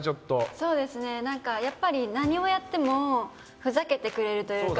そうですねなんかやっぱり何をやってもふざけてくれるというか。